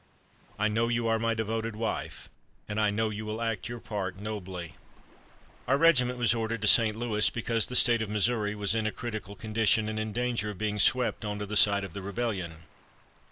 I know you are my devoted wife, and I know you will act your part nobly." Our regiment was ordered to St. Louis because the State of Missouri was in a critical condition and in danger of being swept onto the side of the rebellion.